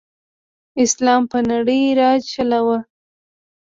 اسلام په نړۍ راج چلاؤ.